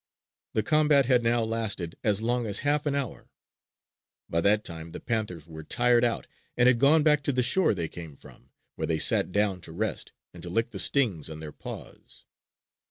The combat had now lasted as long as half an hour. By that time the panthers were tired out and had gone back to the shore they came from, where they sat down to rest and to lick the stings on their paws.